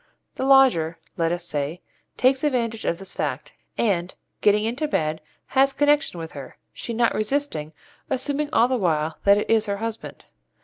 The lodger, let us say, takes advantage of this fact, and, getting into bed, has connection with her, she not resisting, assuming all the while that it is her husband.